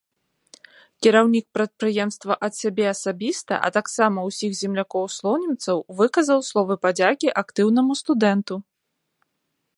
Кіраўнік прадпрыемства ад сябе асабіста, а таксама ўсіх землякоў-слонімцаў выказаў словы падзякі актыўнаму студэнту.